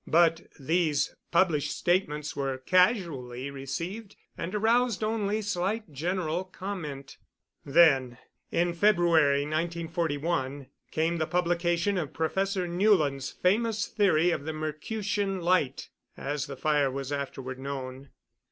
But these published statements were casually received and aroused only slight general comment. Then, in February, 1941, came the publication of Professor Newland's famous theory of the Mercutian Light as the fire was afterward known.